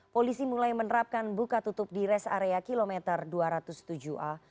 polisi mulai menerapkan buka tutup di res area kilometer dua ratus tujuh a